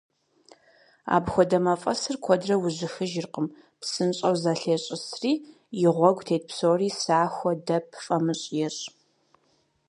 Апхуэдэ мафӀэсыр куэдрэ ужьыхыжыркъым, псынщӀэу зэлъещӏысри, и гъуэгу тет псори сахуэ, дэп, фӀамыщӀ ещӏ.